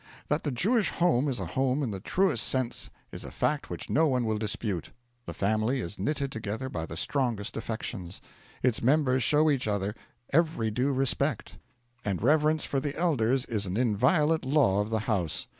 That the Jewish home is a home in the truest sense is a fact which no one will dispute. The family is knitted together by the strongest affections; its members show each other every due respect; and reverence for the elders is an inviolate law of the house.